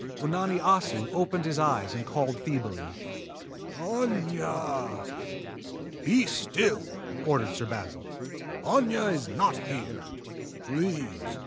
Unani Assu opened his eyes and called feebly, "Aña!" "Be still!" ordered Sir Basil. "Aña is not here." "Please!"